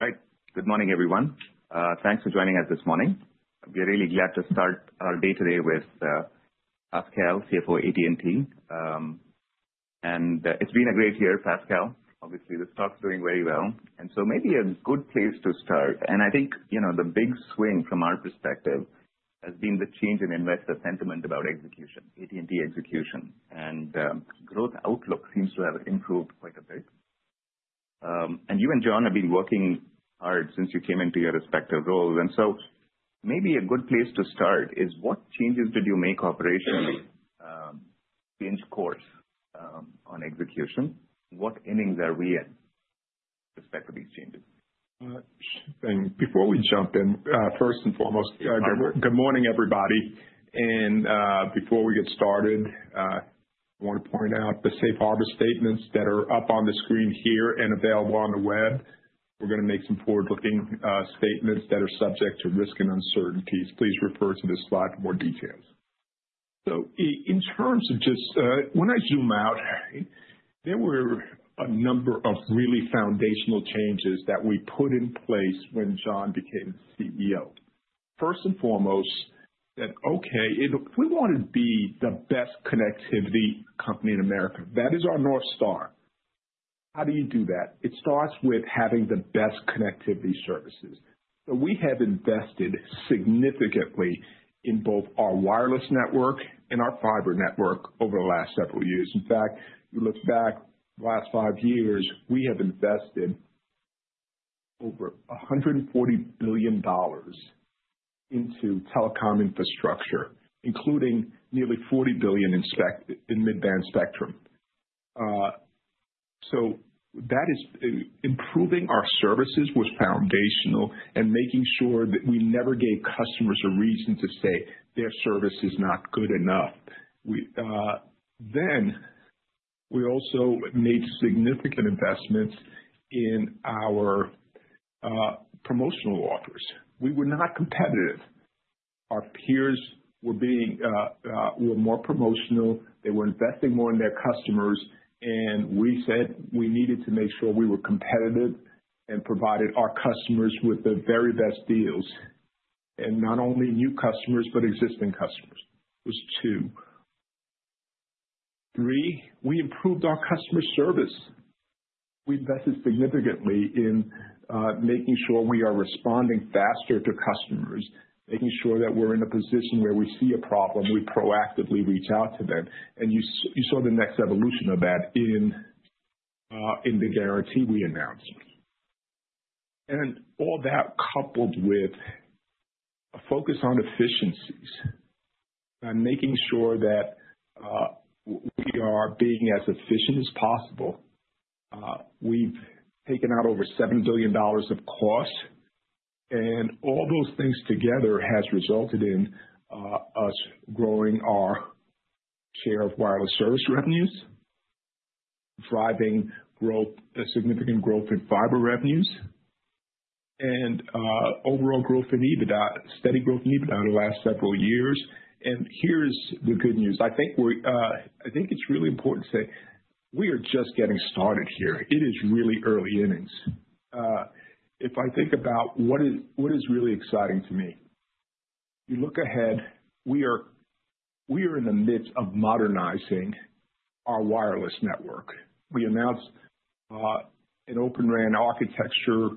All right. Good morning, everyone. Thanks for joining us this morning. We're really glad to start our day today with Pascal, CFO of AT&T. And, it's been a great year, Pascal. Obviously, this stock's doing very well. And so maybe a good place to start. And I think, you know, the big swing from our perspective has been the change in investor sentiment about execution, AT&T execution. And, growth outlook seems to have improved quite a bit. And you and John have been working hard since you came into your respective roles. And so maybe a good place to start is, what changes did you make operationally, to change course, on execution? What innings are we in respect to these changes? And before we jump in, first and foremost, good morning, good morning, everybody. And before we get started, I want to point out the Safe Harbor statements that are up on the screen here and available on the web. We're gonna make some forward-looking statements that are subject to risk and uncertainties. Please refer to this slide for more details. So in terms of just, when I zoom out, there were a number of really foundational changes that we put in place when John became CEO. First and foremost, that, okay, if we want to be the best connectivity company in America, that is our north star. How do you do that? It starts with having the best connectivity services. So we have invested significantly in both our wireless network and our fiber network over the last several years. In fact, you look back, the last five years, we have invested over $140 billion into telecom infrastructure, including nearly $40 billion in spectrum in mid-band spectrum. So that is, improving our services was foundational and making sure that we never gave customers a reason to say their service is not good enough. We, then we also made significant investments in our, promotional offers. We were not competitive. Our peers were being, were more promotional. They were investing more in their customers. And we said we needed to make sure we were competitive and provided our customers with the very best deals. And not only new customers, but existing customers. It was two. Three, we improved our customer service. We invested significantly in, making sure we are responding faster to customers, making sure that we're in a position where we see a problem, we proactively reach out to them. You saw the next evolution of that in the guarantee we announced. All that coupled with a focus on efficiencies and making sure that we are being as efficient as possible. We've taken out over $7 billion of cost. All those things together has resulted in us growing our share of wireless service revenues, driving growth, significant growth in fiber revenues, and overall growth in EBITDA, steady growth in EBITDA over the last several years. Here's the good news. I think it's really important to say we are just getting started here. It is really early innings. If I think about what is really exciting to me, you look ahead, we are in the midst of modernizing our wireless network. We announced an Open RAN architecture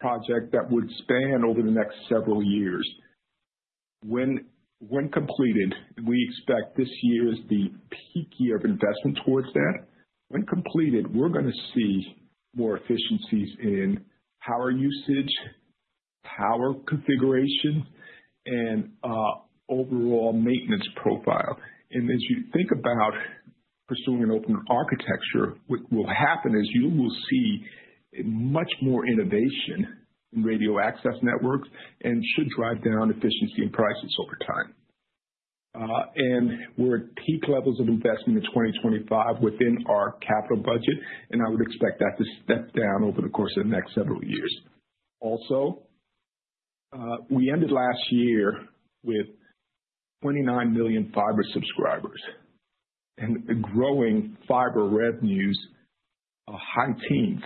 project that would span over the next several years. When completed, and we expect this year is the peak year of investment towards that. When completed, we're gonna see more efficiencies in power usage, power configuration, and overall maintenance profile. And as you think about pursuing an open architecture, what will happen is you will see much more innovation in radio access networks and should drive down efficiency and prices over time, and we're at peak levels of investment in 2025 within our capital budget. And I would expect that to step down over the course of the next several years. Also, we ended last year with 29 million fiber subscribers and growing fiber revenues, high teens.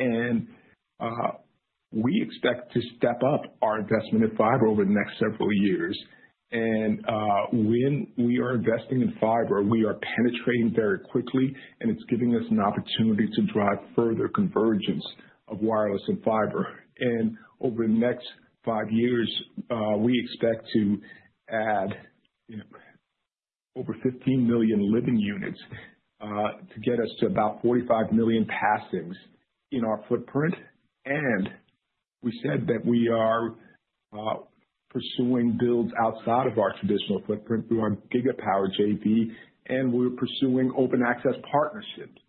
And we expect to step up our investment in fiber over the next several years. And when we are investing in fiber, we are penetrating very quickly. And it's giving us an opportunity to drive further convergence of wireless and fiber. And over the next five years, we expect to add, you know, over 15 million living units, to get us to about 45 million passings in our footprint. And we said that we are pursuing builds outside of our traditional footprint through our Gigapower JV. And we're pursuing open access partnerships.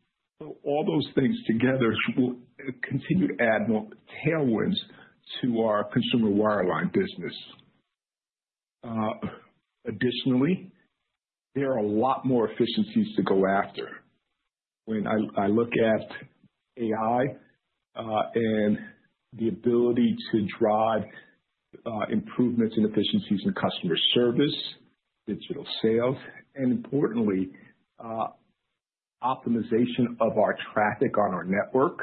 So all those things together will continue to add more tailwinds to our consumer wireline business. Additionally, there are a lot more efficiencies to go after. When I look at AI, and the ability to drive improvements in efficiencies in customer service, digital sales, and importantly, optimization of our traffic on our network,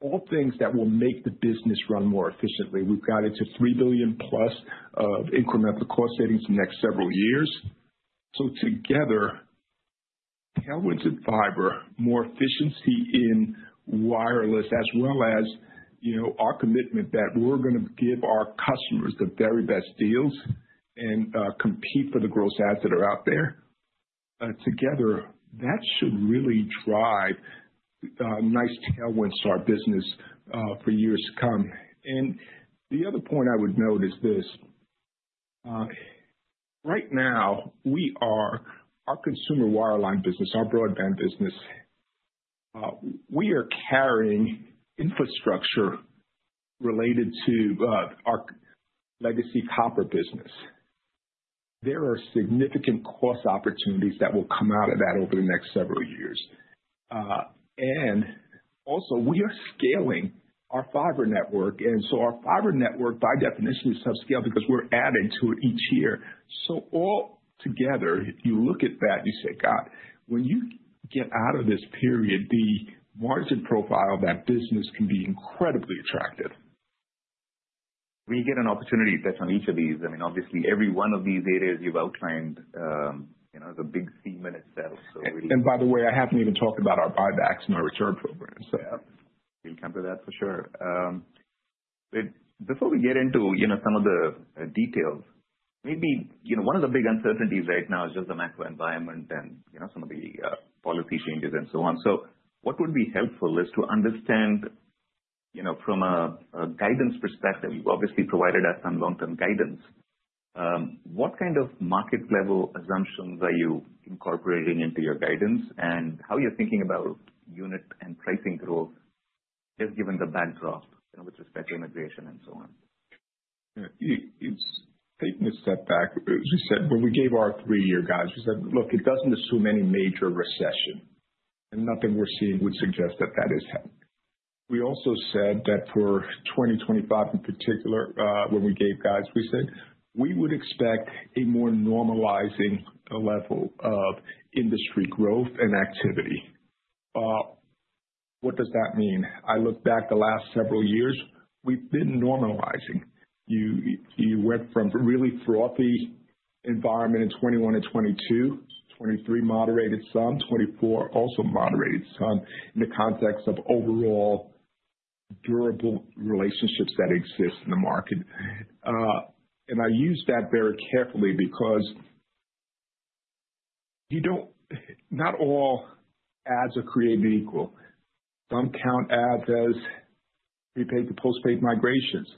all things that will make the business run more efficiently. We've got it to $3 billion plus of incremental cost savings in the next several years. So together, tailwinds in fiber, more efficiency in wireless, as well as, you know, our commitment that we're gonna give our customers the very best deals and compete for the gross adds that are out there. Together, that should really drive nice tailwinds to our business for years to come. And the other point I would note is this. Right now, our consumer wireline business, our broadband business, we are carrying infrastructure related to our legacy copper business. There are significant cost opportunities that will come out of that over the next several years. And also, we are scaling our fiber network. And so our fiber network, by definition, is subscaled because we're adding to it each year. So all together, you look at that, you say, "God, when you get out of this period, the margin profile of that business can be incredibly attractive. We get an opportunity that's on each of these. I mean, obviously, every one of these areas you've outlined, you know, is a big theme in itself. So really. And, by the way, I haven't even talked about our buybacks and our return program, so. Yeah. We'll come to that for sure. But before we get into, you know, some of the details, maybe, you know, one of the big uncertainties right now is just the macro environment and, you know, some of the policy changes and so on. So what would be helpful is to understand, you know, from a guidance perspective. You've obviously provided us some long-term guidance. What kind of market-level assumptions are you incorporating into your guidance and how you're thinking about unit and pricing growth just given the backdrop, you know, with respect to immigration and so on? Yeah. It's taking a step back. As we said, when we gave our three-year guides, we said, "Look, it doesn't assume any major recession." And nothing we're seeing would suggest that that is happening. We also said that for 2025 in particular, when we gave guides, we said we would expect a more normalizing level of industry growth and activity. What does that mean? I look back the last several years, we've been normalizing. You went from really frothy environment in 2021 and 2022, 2023 moderated some, 2024 also moderated some in the context of overall durable relationships that exist in the market. And I use that very carefully because not all adds are created equal. Some count adds as prepaid to postpaid migrations.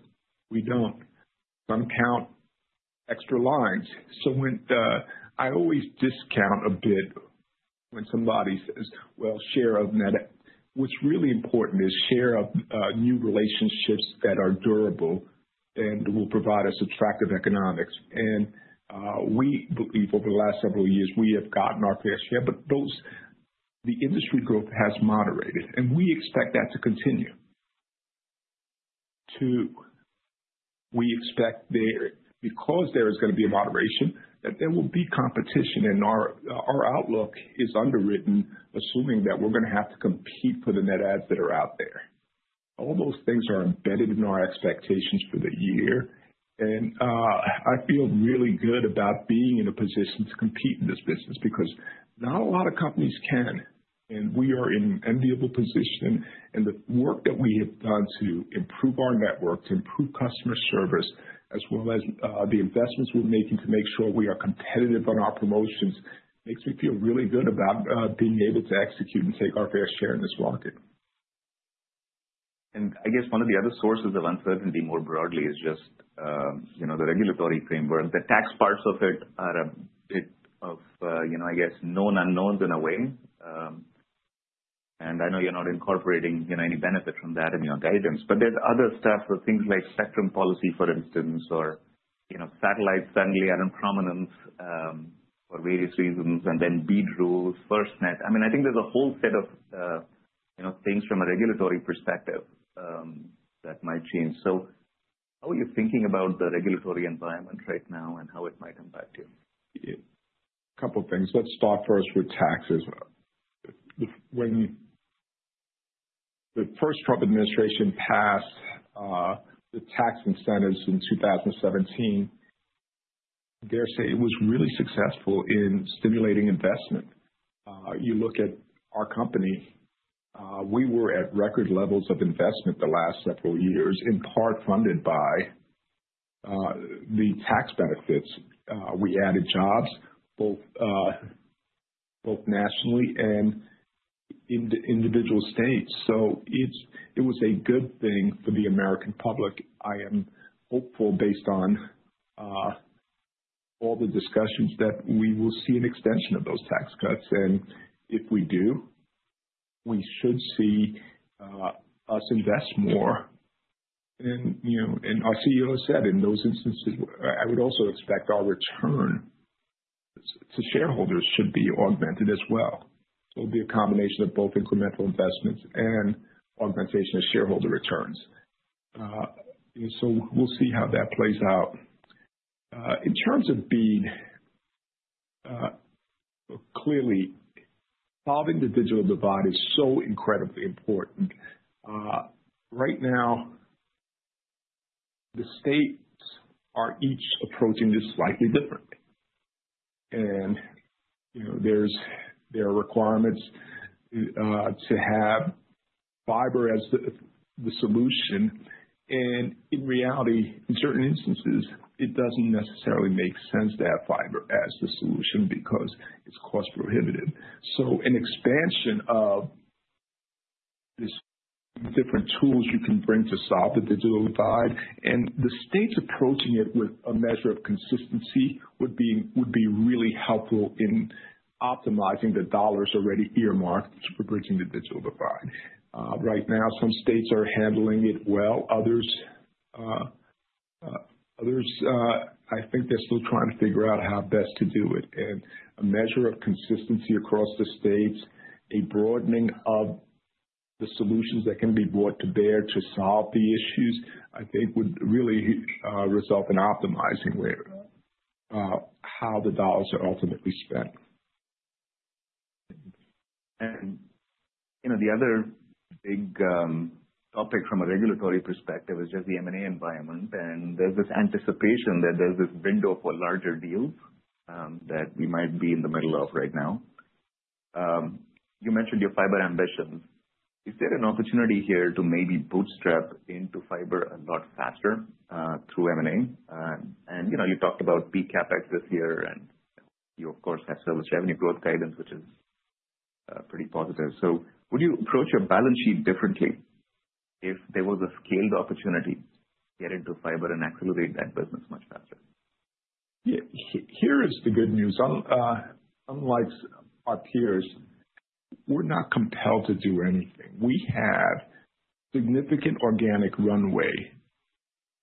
We don't. Some count extra lines. When I always discount a bit when somebody says, "Well, share of net." What's really important is share of new relationships that are durable and will provide us attractive economics. We believe over the last several years we have gotten our fair share. But though the industry growth has moderated. We expect that to continue. Too, we expect because there is gonna be a moderation that there will be competition. Our outlook is underwritten assuming that we're gonna have to compete for the net adds that are out there. All those things are embedded in our expectations for the year. I feel really good about being in a position to compete in this business because not a lot of companies can. We are in an enviable position. The work that we have done to improve our network, to improve customer service, as well as the investments we're making to make sure we are competitive on our promotions makes me feel really good about being able to execute and take our fair share in this market. I guess one of the other sources of uncertainty more broadly is just, you know, the regulatory framework. The tax parts of it are a bit of, you know, I guess, known unknowns in a way. And I know you're not incorporating, you know, any benefit from that in your guidance. But there's other stuff, so things like spectrum policy, for instance, or, you know, satellite suddenly out of prominence, for various reasons, and then BEAD rules, FirstNet. I mean, I think there's a whole set of, you know, things from a regulatory perspective, that might change. So how are you thinking about the regulatory environment right now and how it might impact you? Yeah. A couple of things. Let's start first with taxes. When the first Trump administration passed the tax incentives in 2017, dare say it was really successful in stimulating investment. You look at our company, we were at record levels of investment the last several years, in part funded by the tax benefits. We added jobs both nationally and in the individual states. So it was a good thing for the American public. I am hopeful based on all the discussions that we will see an extension of those tax cuts. And if we do, we should see us invest more. And you know, and our CEO said in those instances, I would also expect our return to shareholders should be augmented as well. So it'll be a combination of both incremental investments and augmentation of shareholder returns. You know, so we'll see how that plays out. In terms of BEAD, clearly solving the digital divide is so incredibly important. Right now, the states are each approaching this slightly differently, and you know, there are requirements to have fiber as the solution, and in reality, in certain instances, it doesn't necessarily make sense to have fiber as the solution because it's cost-prohibitive, so an expansion of these different tools you can bring to solve the digital divide and the states approaching it with a measure of consistency would be really helpful in optimizing the dollars already earmarked for bridging the digital divide. Right now, some states are handling it well. Others, I think they're still trying to figure out how best to do it. A measure of consistency across the states, a broadening of the solutions that can be brought to bear to solve the issues, I think would really result in optimizing where, how the dollars are ultimately spent. And, you know, the other big topic from a regulatory perspective is just the M&A environment. And there's this anticipation that there's this window for larger deals, that we might be in the middle of right now. You mentioned your fiber ambitions. Is there an opportunity here to maybe bootstrap into fiber a lot faster, through M&A? And, you know, you talked about BEAD CapEx this year. And you, of course, have service revenue growth guidance, which is pretty positive. So would you approach a balance sheet differently if there was a scaled opportunity to get into fiber and accelerate that business much faster? Yeah. Here is the good news. Unlike our peers, we're not compelled to do anything. We have significant organic runway in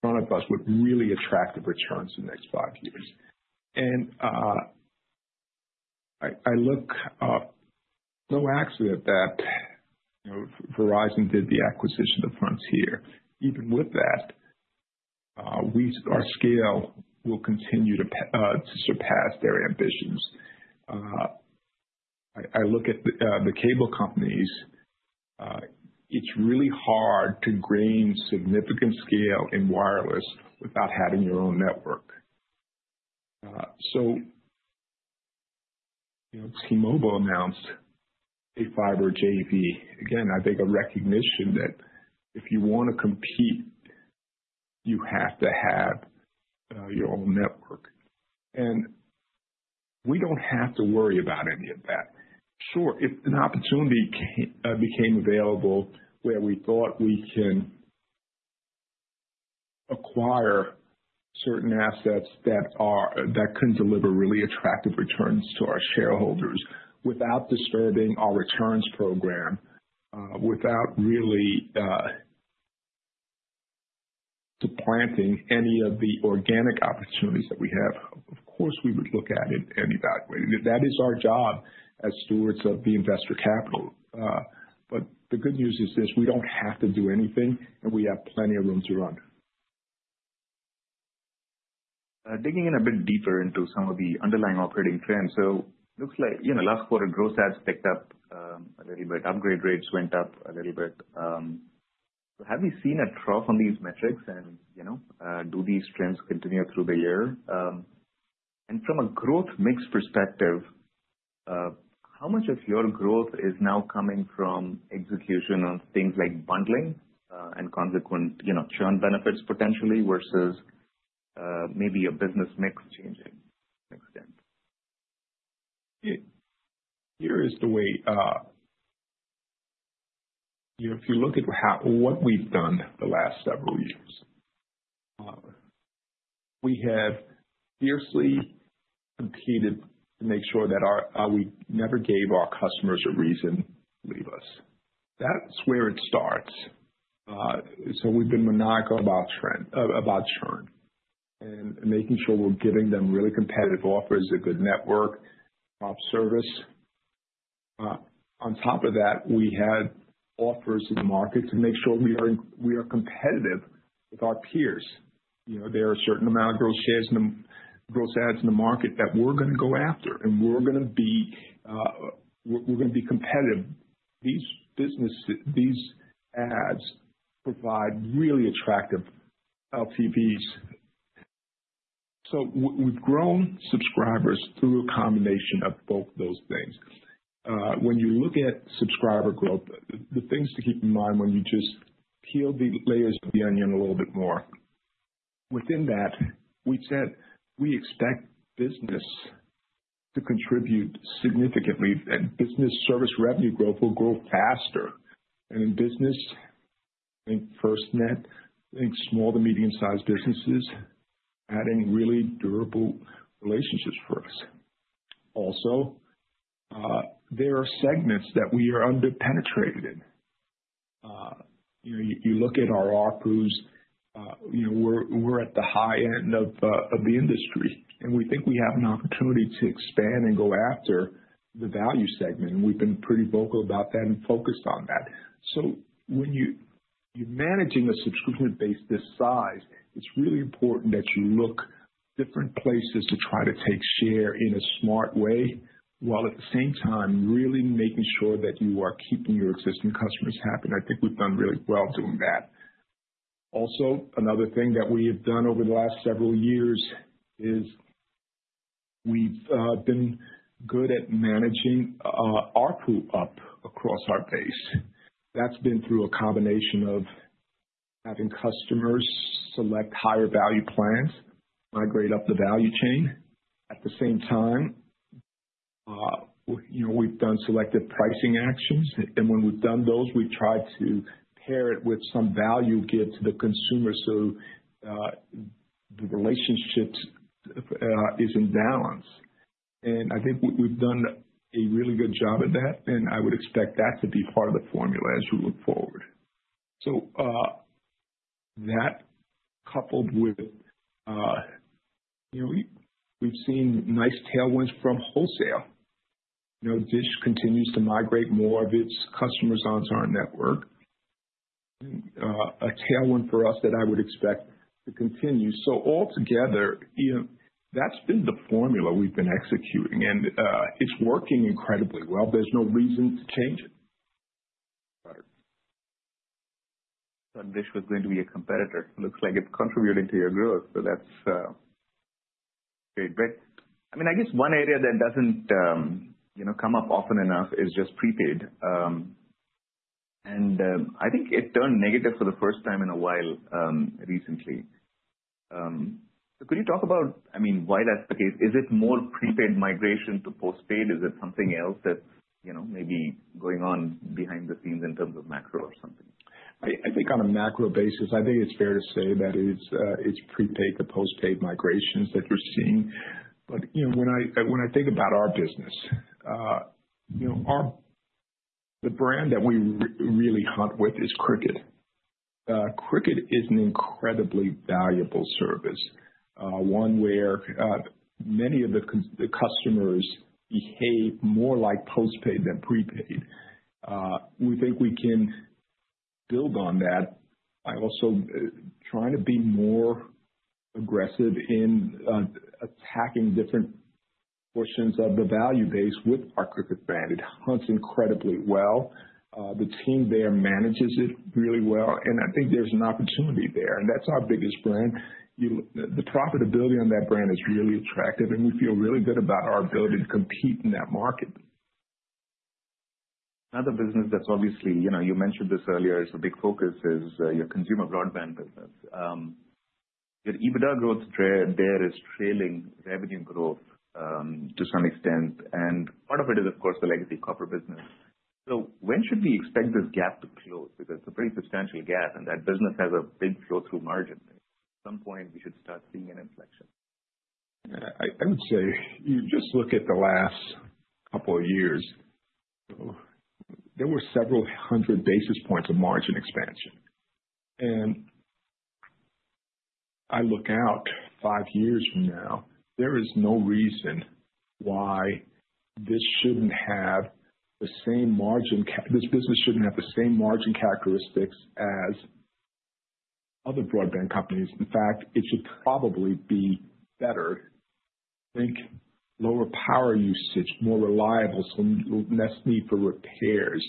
front of us with really attractive returns in the next five years. And I look, no accident that, you know, Verizon did the acquisition of Frontier. Even with that, our scale will continue to surpass their ambitions. I look at the cable companies. It's really hard to gain significant scale in wireless without having your own network. So, you know, T-Mobile announced a fiber JV. Again, I think a recognition that if you wanna compete, you have to have your own network. And we don't have to worry about any of that. Sure, if an opportunity came available where we thought we can acquire certain assets that could deliver really attractive returns to our shareholders without disturbing our returns program, without really, supplanting any of the organic opportunities that we have, of course, we would look at it and evaluate it. That is our job as stewards of the investor capital. But the good news is this. We don't have to do anything, and we have plenty of room to run. Digging in a bit deeper into some of the underlying operating trends. So it looks like, you know, last quarter, gross adds picked up a little bit. Upgrade rates went up a little bit. So have we seen a trough on these metrics? And, you know, do these trends continue through the year? And from a growth mix perspective, how much of your growth is now coming from execution on things like bundling, and consequent churn benefits potentially versus, maybe a business mix changing to an extent? Yeah. Here is the way, you know, if you look at how we've done the last several years, we have fiercely competed to make sure that we never gave our customers a reason to leave us. That's where it starts. So we've been maniacal about churn. And making sure we're giving them really competitive offers, a good network, top service. On top of that, we had offers in the market to make sure we are competitive with our peers. You know, there are a certain amount of gross adds in the market that we're gonna go after. And we're gonna be competitive. These businesses, these adds provide really attractive LTVs. So we've grown subscribers through a combination of both those things. When you look at subscriber growth, the things to keep in mind when you just peel the layers of the onion a little bit more. Within that, we said we expect business to contribute significantly. And business service revenue growth will grow faster. And in business, I think FirstNet, I think small to medium-sized businesses are adding really durable relationships for us. Also, there are segments that we are under-penetrated in. You know, you look at our ARPUs, you know, we're at the high end of the industry. And we think we have an opportunity to expand and go after the value segment. And we've been pretty vocal about that and focused on that. So when you're managing a subscription base this size, it's really important that you look different places to try to take share in a smart way while at the same time really making sure that you are keeping your existing customers happy. And I think we've done really well doing that. Also, another thing that we have done over the last several years is we've been good at managing ARPU up across our base. That's been through a combination of having customers select higher value plans, migrate up the value chain. At the same time, you know, we've done selective pricing actions. And when we've done those, we've tried to pair it with some value given to the consumer so the relationships is in balance. And I think we've done a really good job at that. I would expect that to be part of the formula as we look forward. That coupled with, you know, we've seen nice tailwinds from wholesale. You know, DISH continues to migrate more of its customers onto our network. A tailwind for us that I would expect to continue. Altogether, you know, that's been the formula we've been executing. It's working incredibly well. There's no reason to change it. Got it. Thought DISH was going to be a competitor. Looks like it's contributing to your growth. So that's great. But I mean, I guess one area that doesn't, you know, come up often enough is just prepaid. And I think it turned negative for the first time in a while, recently. So could you talk about, I mean, why that's the case? Is it more prepaid migration to postpaid? Is it something else that's, you know, maybe going on behind the scenes in terms of macro or something? I think on a macro basis, I think it's fair to say that it's prepaid to postpaid migrations that you're seeing. But, you know, when I think about our business, you know, our brand that we really hunt with is Cricket. Cricket is an incredibly valuable service, one where many of the customers behave more like postpaid than prepaid. We think we can build on that by also trying to be more aggressive in attacking different portions of the value base with our Cricket brand. It hunts incredibly well. The team there manages it really well. And I think there's an opportunity there. And that's our biggest brand. The profitability on that brand is really attractive. And we feel really good about our ability to compete in that market. Another business that's obviously, you know, you mentioned this earlier. It's a big focus, is your consumer broadband business. Your EBITDA growth there is trailing revenue growth, to some extent. And part of it is, of course, the legacy copper business. So when should we expect this gap to close? Because it's a pretty substantial gap. And that business has a big flow-through margin. At some point, we should start seeing an inflection. Yeah. I would say you just look at the last couple of years, so there were several hundred basis points of margin expansion, and I look out five years from now. There is no reason why this business shouldn't have the same margin characteristics as other broadband companies. In fact, it should probably be better. I think lower power usage, more reliable, so less need for repairs,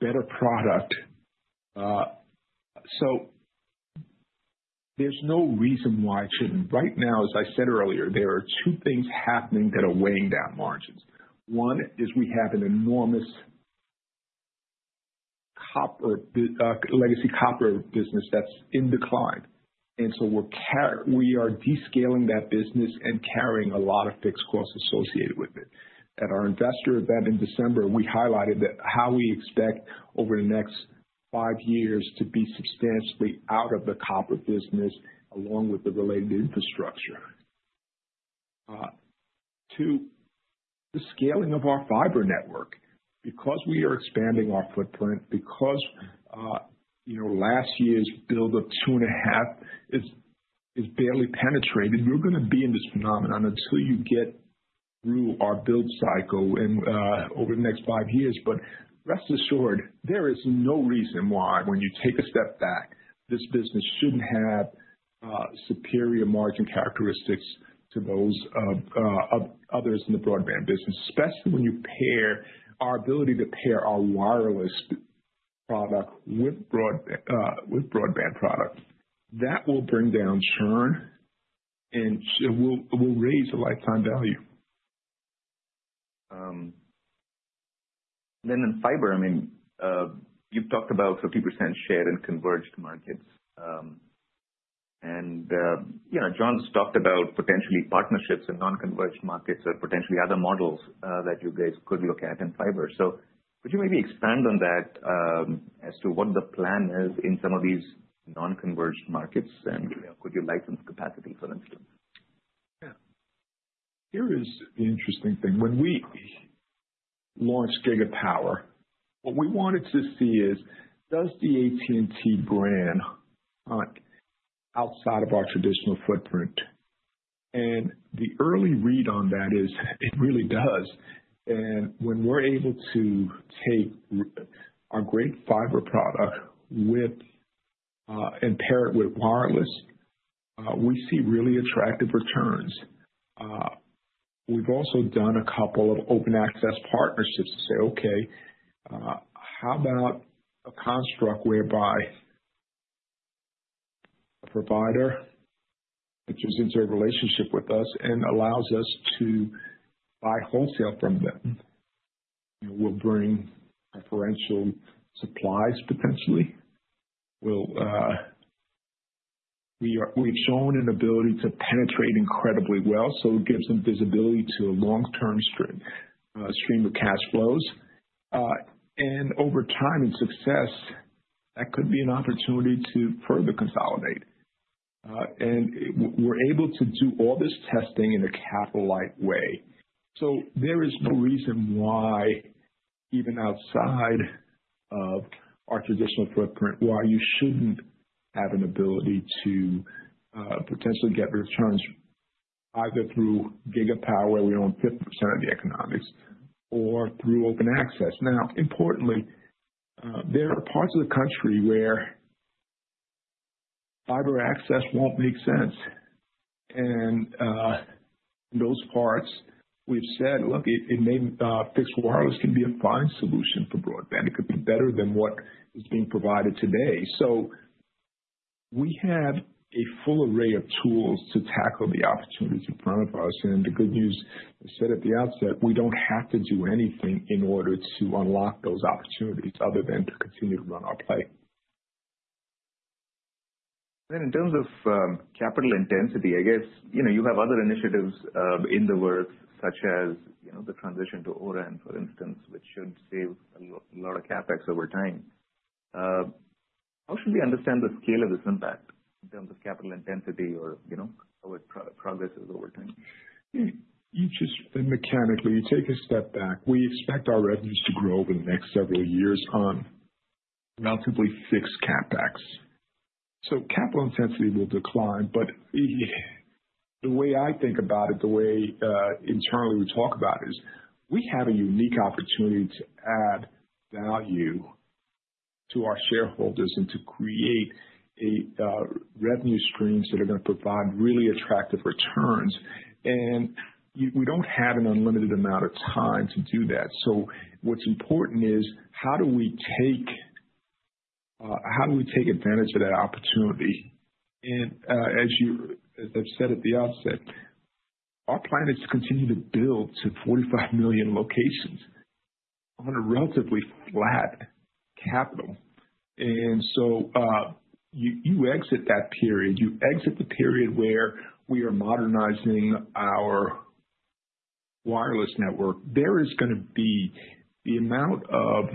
better product, so there's no reason why it shouldn't. Right now, as I said earlier, there are two things happening that are weighing down margins. One is we have an enormous legacy copper business that's in decline, and so we are descaling that business and carrying a lot of fixed costs associated with it. At our investor event in December, we highlighted that how we expect over the next five years to be substantially out of the copper business along with the related infrastructure. Two, the scaling of our fiber network, because we are expanding our footprint, because, you know, last year's build of two and a half is barely penetrated, you're gonna be in this phenomenon until you get through our build cycle in over the next five years. But rest assured, there is no reason why when you take a step back, this business shouldn't have superior margin characteristics to those of others in the broadband business, especially when you pair our ability to pair our wireless product with broadband, with broadband product. That will bring down churn and it will raise the lifetime value. Then in fiber, I mean, you've talked about 50% share in converged markets. And, you know, John's talked about potentially partnerships in non-converged markets or potentially other models that you guys could look at in fiber. So could you maybe expand on that, as to what the plan is in some of these non-converged markets and, you know, could you license capacity, for instance? Yeah. Here is the interesting thing. When we launched Gigapower, what we wanted to see is, does the AT&T brand hunt outside of our traditional footprint, and the early read on that is it really does, and when we're able to take our great fiber product with, and pair it with wireless, we see really attractive returns. We've also done a couple of open access partnerships to say, "Okay, how about a construct whereby a provider that just enters a relationship with us and allows us to buy wholesale from them?" You know, we'll bring preferential supplies potentially. We'll, we've shown an ability to penetrate incredibly well. So it gives them visibility to a long-term stream of cash flows, and over time and success, that could be an opportunity to further consolidate, and we're able to do all this testing in a capital-light way. So there is no reason why even outside of our traditional footprint, why you shouldn't have an ability to, potentially get returns either through Gigapower, where we own 50% of the economics, or through open access. Now, importantly, there are parts of the country where fiber access won't make sense. And, in those parts, we've said, "Look, it may fixed wireless can be a fine solution for broadband. It could be better than what is being provided today." So we have a full array of tools to tackle the opportunities in front of us. And the good news, I said at the outset, we don't have to do anything in order to unlock those opportunities other than to continue to run our play. Then in terms of capital intensity, I guess, you know, you have other initiatives in the works such as, you know, the transition to ORAN, for instance, which should save a lot, a lot of CapEx over time. How should we understand the scale of this impact in terms of capital intensity or, you know, over progresses over time? You just then mechanically take a step back. We expect our revenues to grow over the next several years on relatively fixed CapEx. So capital intensity will decline. But the way I think about it, the way internally we talk about it is we have a unique opportunity to add value to our shareholders and to create revenue streams that are gonna provide really attractive returns. And we don't have an unlimited amount of time to do that. So what's important is how do we take advantage of that opportunity? And as I've said at the outset, our plan is to continue to build to 45 million locations on a relatively flat capital. And so, you exit the period where we are modernizing our wireless network, there is gonna be the amount of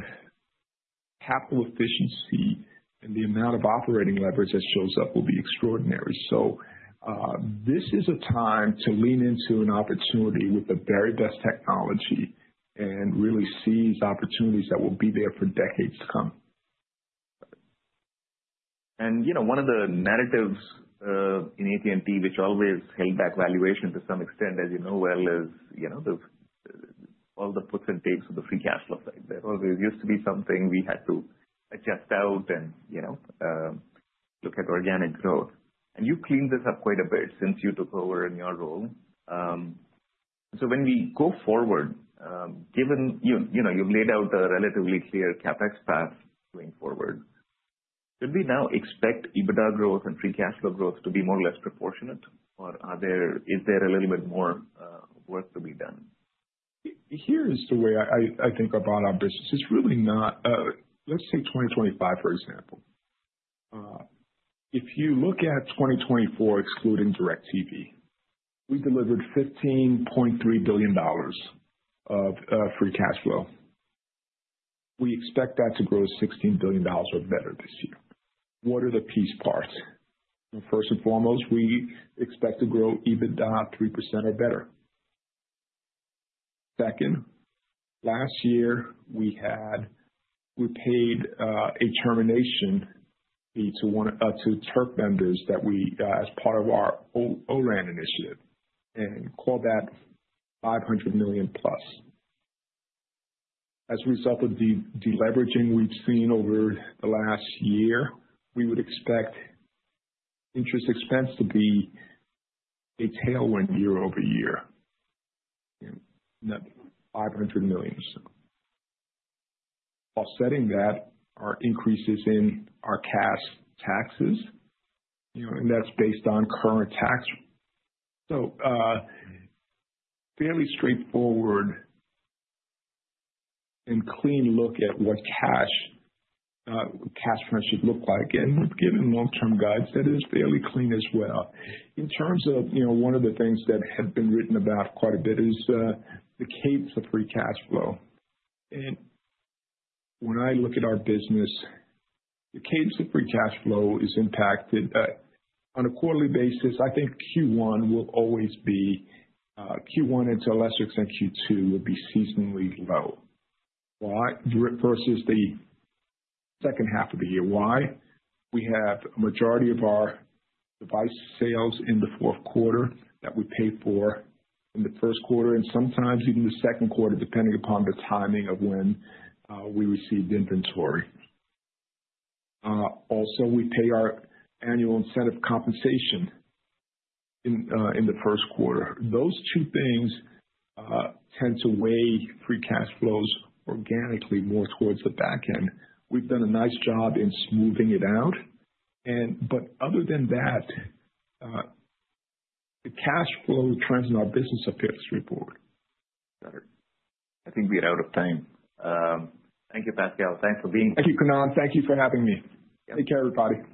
capital efficiency and the amount of operating leverage that shows up will be extraordinary. So, this is a time to lean into an opportunity with the very best technology and really seize opportunities that will be there for decades to come. Got it. And, you know, one of the narratives, in AT&T, which always held back valuation to some extent, as you know well, is, you know, all the puts and takes of the free cash flow side. There always used to be something we had to adjust out and, you know, look at organic growth. And you've cleaned this up quite a bit since you took over in your role, so when we go forward, given you, you know, you've laid out a relatively clear CapEx path going forward, should we now expect EBITDA growth and free cash flow growth to be more or less proportionate? Or is there a little bit more work to be done? Here is the way I think about our business. It's really not, let's take 2025, for example. If you look at 2024 excluding DIRECTV, we delivered $15.3 billion of free cash flow. We expect that to grow $16 billion or better this year. What are the piece parts? You know, first and foremost, we expect to grow EBITDA 3% or better. Second, last year we paid a termination fee to one of to third-party vendors that we as part of our Open RAN initiative and called that $500 million plus. As a result of the leveraging we've seen over the last year, we would expect interest expense to be a tailwind year over year, you know, not $500 million or so. Offsetting that are increases in our cash taxes, you know, and that's based on current tax. So, fairly straightforward and clean look at what cash flow should look like. Given long-term guidance, that is fairly clean as well. In terms of, you know, one of the things that had been written about quite a bit is the cadence of free cash flow. When I look at our business, the cadence of free cash flow is impacted on a quarterly basis. I think Q1 will always be Q1 and to a lesser extent Q2 will be seasonally low. Why? Versus the second half of the year. Why? We have a majority of our device sales in the fourth quarter that we pay for in the first quarter and sometimes even the second quarter depending upon the timing of when we receive inventory. Also we pay our annual incentive compensation in the first quarter. Those two things tend to weigh free cash flows organically more towards the back end. We've done a nice job in smoothing it out. But other than that, the cash flow trends in our business appear to support. Got it. I think we're out of time. Thank you, Pascal. Thanks for being. Thank you, Kannan. Thank you for having me. Yep. Take care, everybody.